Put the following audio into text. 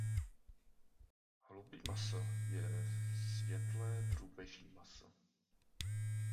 Holubí maso je světlé drůbeží maso.